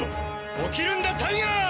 起きるんだタイガ！